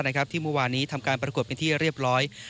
ตอนนี้กันผิดหายที่ปรากฏเป็นที่เรียบร้อย